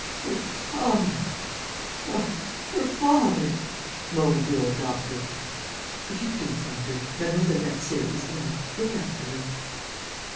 "Her father!... Her father!" moaned the old doctor. "If you please, doctor, Mlle. Darcieux is ill. Look after her."